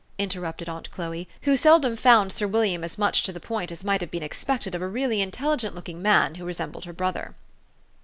" inter rupted aunt Chloe, who seldom found Sir William as much to the point as might have been expected of a really intelligent looking man who resembled her brother.